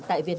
tại việt nam